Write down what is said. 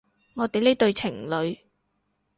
我哋呢對情侣